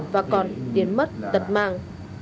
và còn tiến mất tật mang